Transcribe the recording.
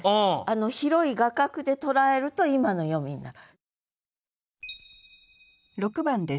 広い画角で捉えると今の読みになる。